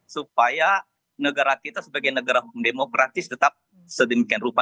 supaya negara kita sebagai negara hukum demokratis tetap sedemikian rupa